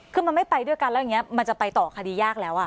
คือมันไม่ไปด้วยกันแล้วอย่างนี้มันจะไปต่อคดียากแล้ว